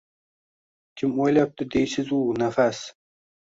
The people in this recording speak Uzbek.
Kim o’ylabdi deysiz u nafas